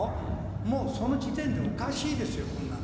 もうその時点でおかしいですよ、こんなの。